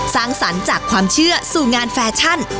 สร้างสรรค์จากความเชื่อสู่งานแฟชั่น